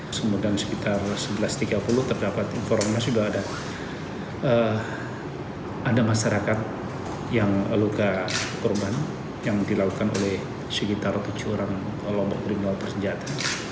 kemudian sekitar sebelas tiga puluh terdapat informasi bahwa ada masyarakat yang luka korban yang dilakukan oleh sekitar tujuh orang kelompok kriminal bersenjata